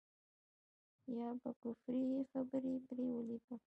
يا به کفري خبرې پرې وليکم.